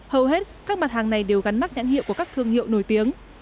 hầu hết các mặt hàng này đều gắn mắt nhãn hiệu của các thương hiệu nổi tiếng